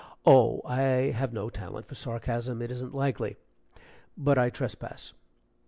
(Oh, I have no talent for sarcasm, it isn't likely.) But I trespass.